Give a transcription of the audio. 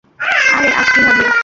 আরে, আজ কিভাবে?